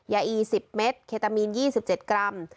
อี๑๐เม็ดเคตามีน๒๗กรัม